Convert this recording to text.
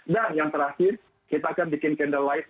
dan yang terakhir kita akan bikin candle light